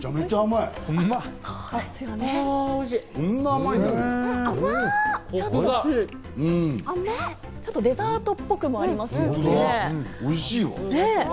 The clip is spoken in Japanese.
ちょっとデザートっぽくもあおいしいよ。